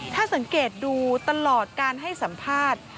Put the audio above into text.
ถ้าสังเกตดูตลอดการให้สัมภาษณ์